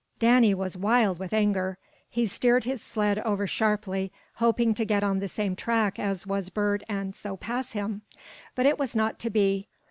Danny was wild with anger. He steered his sled over sharply, hoping to get on the same track as was Bert and so pass him. But it was not to be.